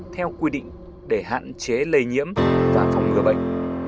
theo quy định để hạn chế lây nhiễm và phòng ngừa bệnh